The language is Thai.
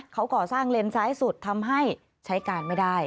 เขาก่อสร้างเลนซ้ายสุดทำให้ใช้การไม่ได้